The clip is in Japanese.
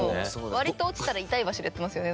割と落ちたら痛い場所でやってますよね。